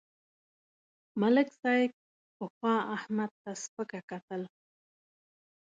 ملک صاحب پخوا احمد ته سپکه کتل.